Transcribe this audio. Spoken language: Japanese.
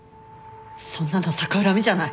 そんなの逆恨みじゃない。